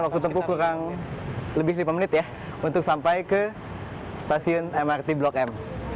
waktu tempuh kurang lebih lima menit ya untuk sampai ke stasiun mrt blok m